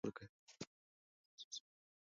میندې خپلو ماشومانو ته خواړه ورکوي.